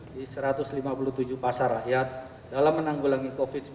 di satu ratus lima puluh tujuh pasar rakyat dalam menanggulangi covid sembilan belas